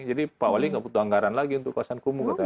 jadi pak wali nggak butuh anggaran lagi untuk kawasan kumbu